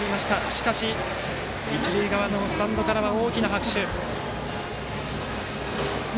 しかし、一塁側のスタンドからは、大きな拍手。